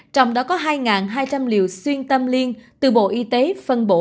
trong đó có hai hai trăm linh liều xuyên tâm liên từ bộ y tế phân bổ